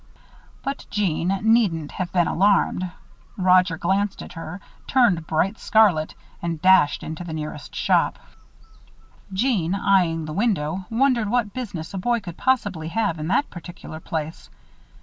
But Jeanne needn't have been alarmed. Roger glanced at her, turned bright scarlet, and dashed into the nearest shop. Jeanne, eying the window, wondered what business a boy could possibly have in that particular place.